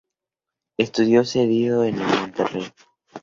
Estuvo cedido en el Monterrey.